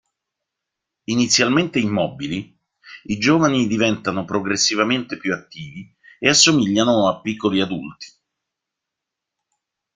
Inizialmente immobili, i giovani diventano progressivamente più attivi e assomigliano a piccoli adulti.